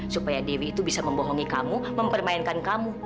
supaya dewi itu bisa membohongi kamu mempermainkan kamu